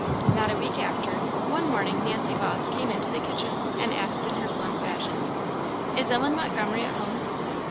Not a week after, one morning, Nancy Vawse came into the kitchen, and asked in her blunt fashion "Is Ellen Montgomery at home?"